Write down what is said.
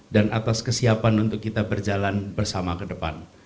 dan atas kesiapan untuk kita berjalan bersama ke depan